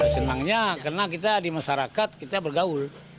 senangnya karena kita di masyarakat kita bergaul